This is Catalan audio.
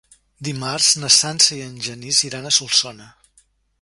Dimarts na Sança i en Genís iran a Solsona.